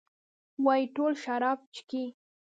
وايي ټول شراب چښي.